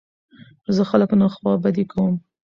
زه خلک نه خوابدي کوم.